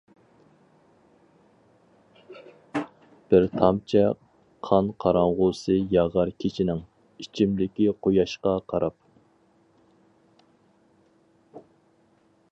بىر تامچە قان قاراڭغۇسى ياغار كېچىنىڭ، ئىچىمدىكى قۇياشقا قاراپ.